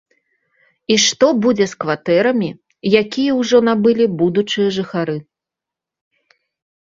І што будзе з кватэрамі, якія ўжо набылі будучыя жыхары?